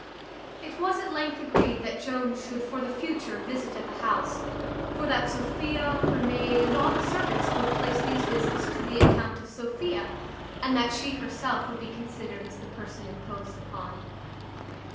It was at length agreed that Jones should for the future visit at the house: for that Sophia, her maid, and all the servants, would place these visits to the account of Sophia; and that she herself would be considered as the person imposed upon.